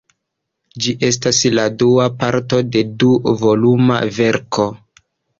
Ĝi estas la dua parto de du-voluma verko.